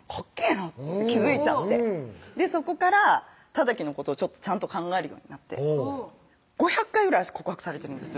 なって気付いちゃってそこから任記のことをちゃんと考えるようになって５００回ぐらい私告白されてるんです